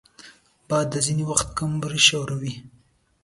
باد ځینې وخت کمرې ښوروي